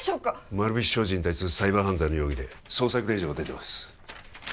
丸菱商事に対するサイバー犯罪の容疑で捜索令状が出てます